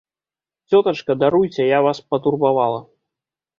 Цётачка, даруйце, я вас патурбавала.